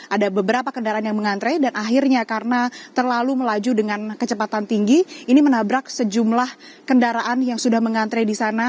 ada beberapa kendaraan yang mengantre dan akhirnya karena terlalu melaju dengan kecepatan tinggi ini menabrak sejumlah kendaraan yang sudah mengantre di sana